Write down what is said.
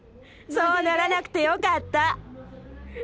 そうならなくてよかった。